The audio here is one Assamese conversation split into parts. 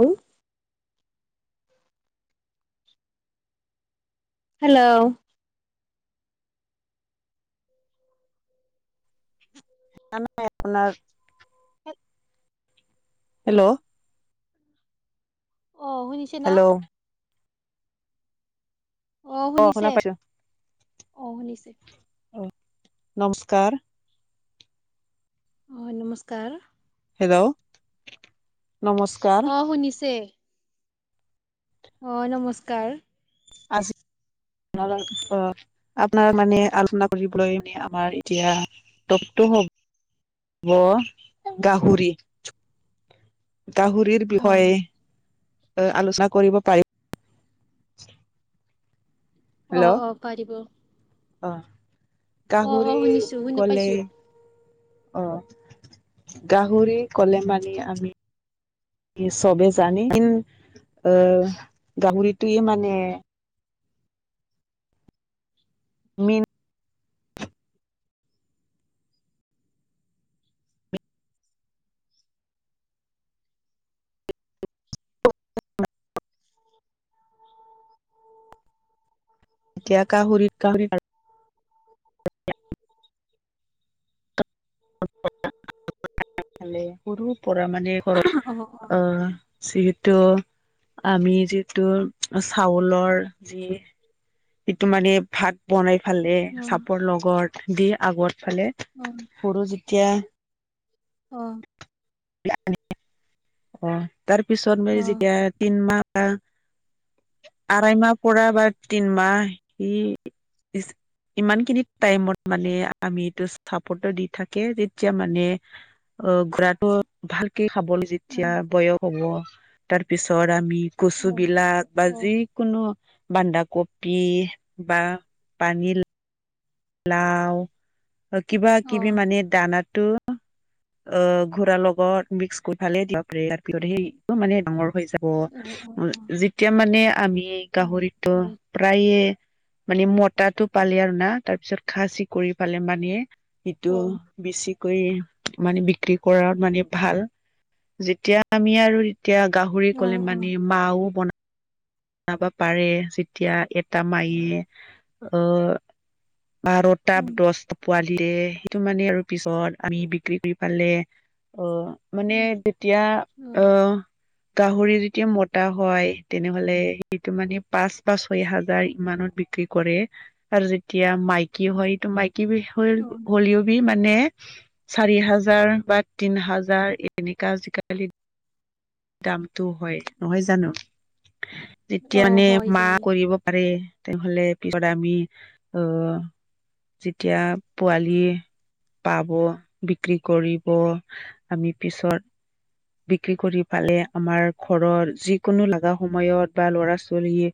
উম। [inaudible] হেল্ল'। ভালনে আপোনাৰ? হেট। হেল্ল'। অ' শুনিছো। হেল্ল'। অ', শুনিছে, শুনা পাইছো অ', শুনিছে। অ', নমস্কাৰ। হয়, নমস্কাৰ। হেল্ল' নমস্কাৰ। অ' শুনিছে। অ' নমস্কাৰ। [unintelligible] আপোনাৰ মানে আলোচনা কৰিবলৈ আমাৰ এতিয়া তপটো হ'ম। হব গাহৰি। গাহৰিৰ অ বিষয়ে আলোচনা কৰিব পাৰিম। অ'- অ' পাৰিব। অ' অ অ গাহৰি শুনিছো শুনা গ'লে পাইছো অ' গাহৰি ক'লে মানে আমি। চবে জানে কি অ' গাহৰিটোয়ে মানে। মিন এতিয়া গাহৰিত গাহৰি [inaudible] [unintelligible] ভালেই সৰুৰ পৰা মানে অ ঘৰত অ' যিহেতু আমি যিটো চাউলৰ যি সিটো মানে ভাত বনাই ফালে অ চাপৰ লগত দি আগৰ ফালে। অ' সৰু যেতিয়া অ' [unintelligible] অ', তাৰ পিছত অ মই যেতিয়া তিনমাহ বা আঢ়াই মাহ পৰা বা তিনমাহ সি ইমান খিনি টাইমত মানে আমি এইটো চাপৰ্ট দি থাকে তেতিয়া মানে অ', ঘোৰাটো ভালকে খাবলৈ যি অ এতিয়া বয়স হ'ব তাৰ পিছত আমি অ কচুবিলাক বা অ অ যি কোনো বান্ধা কবি বা পানী লাও কিবা কিবি মানে দানাতো অ', ঘোৰাৰ লগত মিক্স [unintelligible] তাৰ পিছত সেইটো মানে ডাঙৰ হৈ অ' অ' যায়। যেতিয়া মানে আমি গাহৰিতো হয় প্ৰায়ে মানে মতাটো পালে আৰু না তাৰ পিছত খাচি কৰি পালে মানে এইটো অ বেছি কৰি মানে বিক্ৰী কৰাৰ মানে ভাল যেতিয়া আমি আৰু এতিয়া গাহৰি অ ক'লে অ মানে মাও বন বনাব পাৰে যেতিয়া এটা মায়ে অ' বাৰটা উম দহটা পোৱালি দিয়ে সেইটো মানে আৰু পিছত আমি বিক্ৰী কৰি পালে অ' মানে উম যেতিয়া অ', গাহৰি যেতিয়া মতা হয়, তেনেহ'লে সেইটো মানে পাঁচ বা ছয় হাজাৰ ইমানত বিক্ৰী কৰে। আৰু যেতিয়া মাইকী হয়, টো মাইকী অ [unintelligible] হ'লেও মানে চাৰি হাজাৰ বা তিন হাজাৰ এনেকা আজিকালি দামটো হয় নহয় জানো? যেতিয়া অ মানে হয় মা হয় কৰিব পাৰে। তেনেহ'লে পিছত আমি অ', যেতিয়া পোৱালি পাব বিক্ৰী কৰিব, আমি পিছত বিক্ৰী কৰি ফালে আমাৰ ঘৰত যিকোনো লগা সময়ত বা ল'ৰা-ছোৱালী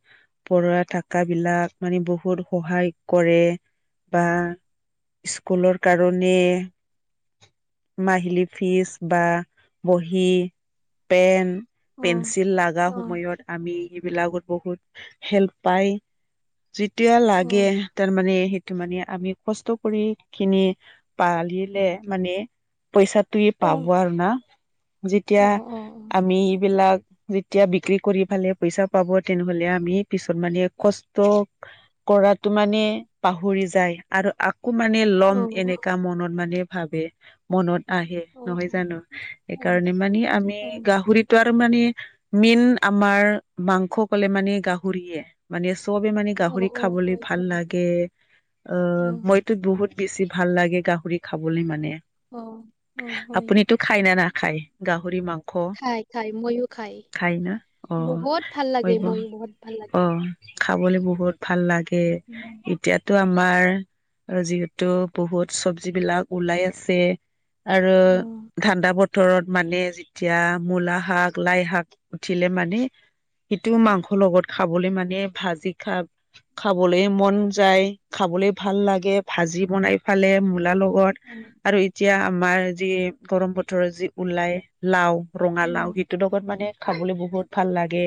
পঢ়া থকা বিলাক মানে বহুত সহায় কৰে বা স্কুলৰ কাৰণে মাহিলী ফিচ বা বহী পেন, অ পেঞ্চিল লাগা অ সময়ত। আমি সেইবিলাকত বহুত হেল্প পাই, যেতিয়া অ লাগে। তাৰমানে সেইটো মানে আমি কষ্ট কৰি খিনি পালিলে মানে পইচাটোয়ে অ অ অ পাব আৰু না, যেতিয়া আমি এইবিলাক যেতিয়া বিক্ৰী কৰি ফালে পইচা পাব তেনেহ'লে আমি পিছত মানে কষ্ট কৰাটো মানে পাহৰি যায় আৰু আ কৌ মানে ল'ম এনেকা মনত মানে ভাবে। মনত আহে অ অ নহয় জানো? অ সেইকাৰণে মানে আমি গাহৰিতো আৰু মানে মেইন আমাৰ মাংস ক'লে মানে গাহৰিয়ে, মানে চবে মানে গাহৰি খাবলে ভাল লাগে, অ', মই টো বহুত বেছি ভাল লাগে গাহৰি খাবলে মানে। অ', অ', হয়। তো খায় নে নাখায় গাহৰি মাংস? খাই খাই ময়ো খাই না অ বহুত ভাল লাগে ময়ো বহুত ভাল লাগে। খাবলে বহুত ভাল লাগে। উম, এতিয়াতো আমাৰ আৰু যিহেতু বহুত চবজি বিলাক ওলাই আছে। আৰু অ ঠাণ্ডা বতৰত মানে যেতিয়া মূলা শাক লাই শাক উঠিলে মানে সিটো মাংস লগত খাম খাবলে মানে ভাজি খাব খাবলে মন যায় খাবলে ভাল লাগে ভাজি বনাই ফালে মূলাৰ লগত উঁ আৰু এতিয়া আমাৰ যি গৰম বতৰত যি ওলাই লাও অ ৰঙালাও সি [unintelligible] লগত মানে খাবলে বহুত ভাল লাগে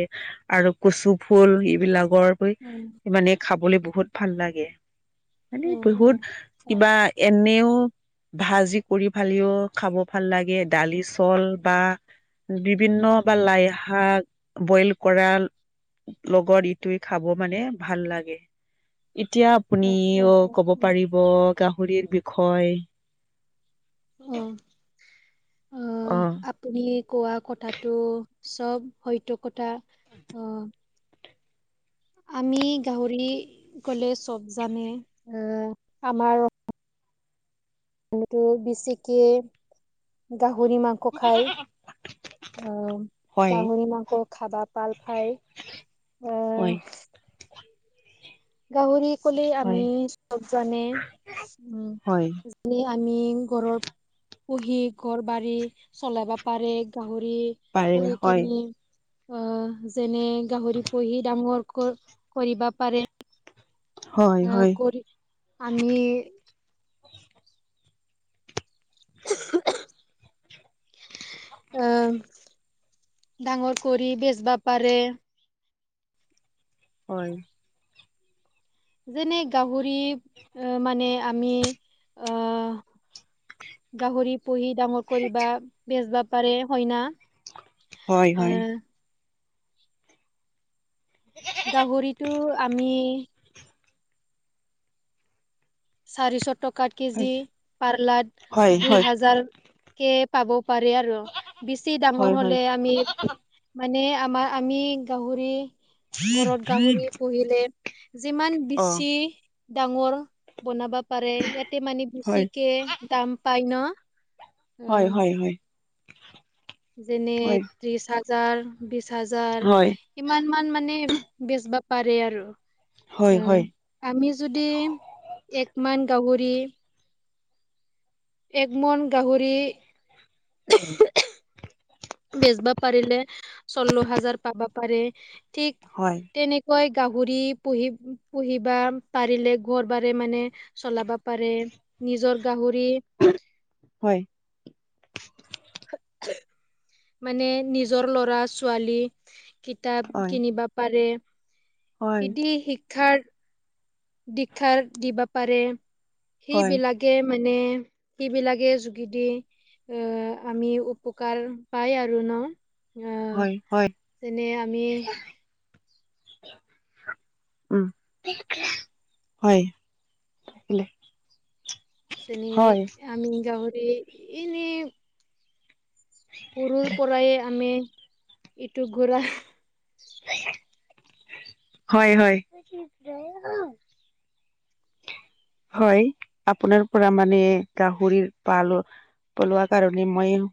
আৰু কচু ফুল এইবিলাকৰ অ মানে খাবলে বহুত ভাল লাগে অ মানে অ বহুত হয় কিবা এনেও ভাজি কৰি ফালিও খাব ভাল লাগে দালি চল বা বিভিন্ন বা লাইশাক বইল কৰা লগত ইটোৱে খাব মানে ভাল লাগে এতিয়া আপুনি অ ক'ব পাৰিব গাহৰিৰ বিষয় অহ অ আপুনি কোৱা কথাটো চব হয়তো কথা অ আমি গাহৰি গলে চব জানে অ আমাৰ আমিটো বিছিকে গাহৰি মাংস খাই অ হয়, গাহৰি মাংস খাবা ভাল পাই হয়। আহ গাহৰি কলে আমি হয়। চব জানে হয়, উ মানে আমি ঘৰৰ পুহি ঘৰ বাৰী চলাবা পাৰে গাহৰি পাৰে পুহি হয়, কিনি আহ যেনে গাহৰি পুহি ডাঙৰ কৰ কৰিবা পাৰে হয়, অ হয়। কৰি আমি [unintelligible] আহ ডাঙৰ কৰি বেচবা পাৰে হয় যেনে গাহৰি মানে আমি আহ গাহৰি পুহি ডাঙৰ কৰিবা বেচবা পাৰে হয়না হয় হয় [inaudible] গাহৰিটো আমি চাৰিশ টকা কেজি হয়, পাৰ্লাদ হয়, দুই হয়, হাজাৰ কে পাব পাৰে আৰু বেছি হয়, ডাঙৰ হয়, হলে আমি মানে আমাৰ আমি গাহৰি ঘৰত গাহৰি পুহিলে যিমান অ'। বেছি ডাঙৰ বনাবা পাৰে ইয়াতে মানে হয়, বেছিকে দাম পায় ন অ হয় হয় হয়, যেনে হয়, ত্ৰিশ হাজাৰ বিশ হাজাৰ হয়, কিমান মান মানে বেচ বা পাৰে আৰু হয়, উম হয়, আমি যদি একমান গাহৰি এগমন গাহৰি, বেচব পাৰিলে চল্ল হাজাৰ পাবা পাৰে ঠিক হয়। তেনে কয় গাহৰি পুহি পুহিবা পাৰিলে ঘৰ বাৰে মানে চলাবা। পাৰে নিজৰ গাহৰি। হয়, মানে নিজৰ ল'ৰা ছোৱালী কিতাপ হয়, কিনিব- পাৰে হয়, নীতি শিক্ষাৰ দীক্ষাৰ দিব পাৰে হয়, সেইবিলাক। তে মানে সেইবিলাকে যোগেদি এ আমি উপকাৰ পায় আৰু ন। আহ হয় হয়, যেনে আমি [inaudible] উম হয় উম যেনে আমি গাহৰি এনেই সৰুৰ পৰাই আমি ইটো ঘৰা, হয় হয়, [inaudible] হয় আপোনাৰ পৰা মানে গাহৰিৰ পাল পলোৱা কাৰণে মইও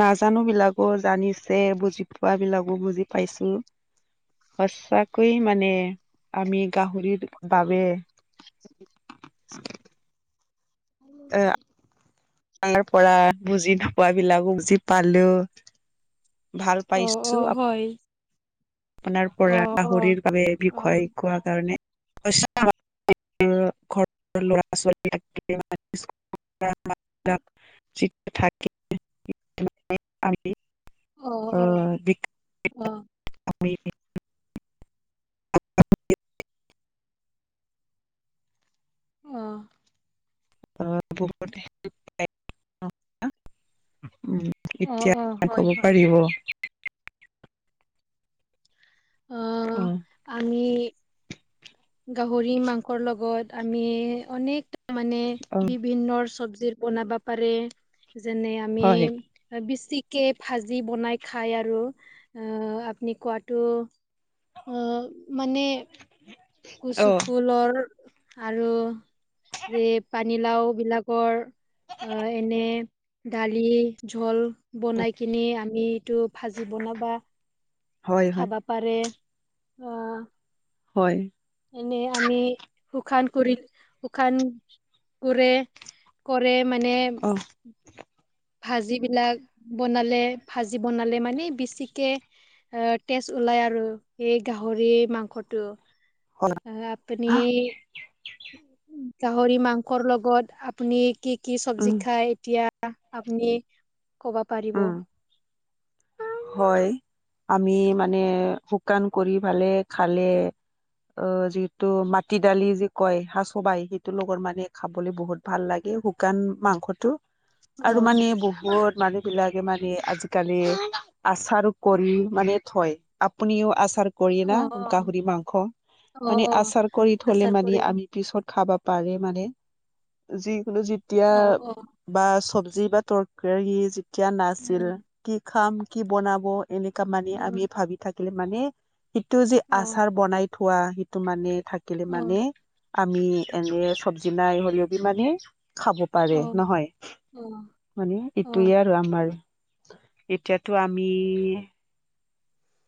নাজানো বিলাকো জানিছে বুজি পোৱা বিলাকো বুজি পাইছোঁ। সচাকৈয়ে মানে আমি গাহৰিৰ বাবে [inaudible] এ আপোনাৰ পৰা বুজি নোপোৱা বিলাকো বুজি পালোঁ। ভাল অ পাইছো, অ আপ হয় আপোনাৰ পৰা অ অ গাহৰিৰ বাবে অ বিষয়, কোৱা কাৰণে [unintelligible] ঘৰত ল'ৰা ছোৱালী [unintelligible] [inaudible] অ অ অ অ [inaudible] অ' [inaudible] অ এতিয়া অ ক'ব হয় হয় পাৰিব। অ' আমি গাহৰিৰ মাংসৰ লগত আমি অনেক মানে অ বিভিন্ন চব্জিৰ বনাব পাৰে যেনে আমি হয় বেছিক কে ভাজি বনাই খায় আৰু আপুনি কোৱাটো। অ' মানে কচু অ ফুলৰ আৰু এই পানীলাও বিলাকৰ অ' এনে দালি ঝোল বনাই কিনে আমি এইটো ভাজি বনাবা। হয় হয় খাব পাৰে অ, হয়। এনে আমি শুকান কৰি শুকান পূৰে কৰে মানে অ [inaudible] ভাজি বিলাক বনালে ভাজি বনালে মানে বেছিকে। অ' তেজ ওলাই আৰু এই গাহৰি এই মাংসটো। হয় আ আপুনি গাহৰি মাংসৰ লগত আপুনি কি কি চব্জি উম খায় এতিয়া আপুনি ক'ব পাৰিব? উম হয় আমি মানে শুকান কৰি ফালে খালে অ', যিহেটো মাটি দালি যে কয়, সা চবাই সেইটো লগৰ মানে খাবলৈ বহুত ভাল লাগে শুকান মাংসটো। [inaudible] আৰু মানে বহুত মানুহবিলাকে মানে আজিকালি আচাৰ কৰি মানে থয়, আপুনিও আচাৰ কৰি না অ', গাহৰি মাংস, অ', মানে অ', আচাৰ কৰি থলে আচাৰ মানি কৰে আমি পিছত খাবা পাৰে মানে, যিকোনো যেতিয়া অ', অ', বা চব্জি বা তৰকাৰী যেতিয়া নাছিল, অ', কি খাম, কি বনাব এনেকা মানে অ', আমি ভাবি থাকিলে মানে সেইটো যে অ', অ', আচাৰ বনাই থোৱা, সেইটো মানে থাকিলে মানে আমি এনে চব্জি নাই হলেবি মানে খাব পাৰে অ', অ', নহয় মানে অ', এইটোৱে আৰু আমাৰ এতিয়া তো আমি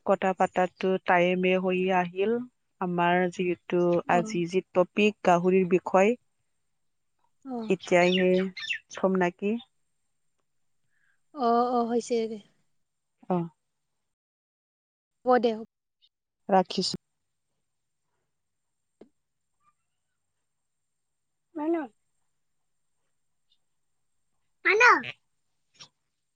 কথা পাতাটো টাইমে হৈ আহিল, আমাৰ যিহেতু আজি যি টপিক গাহৰিৰ বিষয়, অ', এতিয়াহে চম নেকি। অ'-অ', হৈছে দে। অহ। ব দে হ। ৰাখিছোঁ। হয় ন?